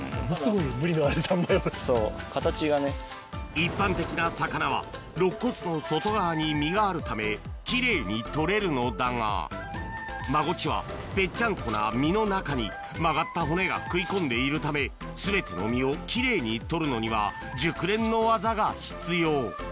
一般的な魚は肋骨の外側に身があるため奇麗に取れるのだがマゴチはぺっちゃんこな身の中に曲がった骨が食い込んでいるため全ての身を奇麗に取るためには熟練の技が必要